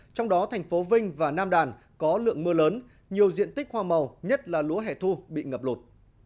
trong đó thành phố vinh và nam đàn có lượng mưa lớn nhiều diện tích hoa màu nhất là lúa hẻ thu bị ngập lụt